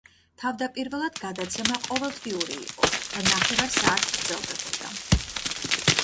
თავდაპირველად გადაცემა ყოველთვიური იყო და ნახევარ საათს გრძელდებოდა.